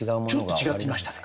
ちょっと違ってましたね。